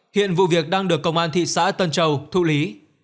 hiện vụ việc đang được công an thị xã tân châu thụ lý